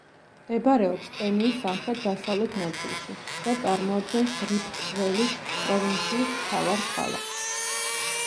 მდებარეობს კენიის სამხრეთ-დასავლეთ ნაწილში და წარმოადგენს რიფტ-ველის პროვინციის მთავარ ქალაქს.